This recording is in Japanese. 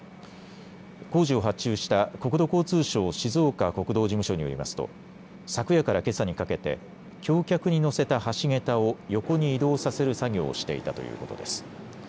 工事を発注した国土交通省静岡国道事務所によりますと昨夜からけさにかけて橋脚に載せた橋桁を横に移動させる作業をしていたということです。